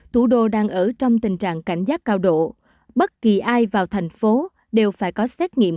thủ đô đang ở trong tình trạng cảnh giác cao độ bất kỳ ai vào thành phố đều phải có xét nghiệm